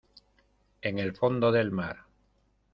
en el fondo del mar.